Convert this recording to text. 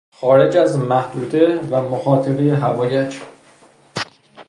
خارج از محدوده و مخاطرهی حوایج